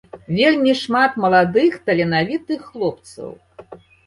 Вельмі шмат маладых таленавітых хлопцаў.